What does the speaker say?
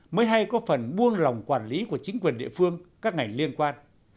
mới hay có phần buông lòng quản lý của chính quyền địa phương các ngành liên quan